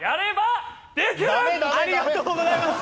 ありがとうございます！